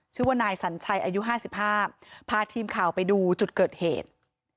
ชื่อว่านายสัญชัยอายุ๕๕พาทีมข่าวไปดูจุดเกิดเหตุ